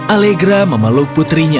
allegra memeluk putrinya